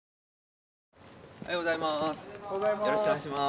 おはようございます。